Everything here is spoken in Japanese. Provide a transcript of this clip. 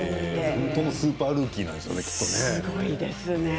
本当のスーパールーキーなんでしょうね、きっとね。